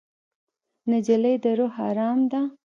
نجلۍ د روح ارام ده.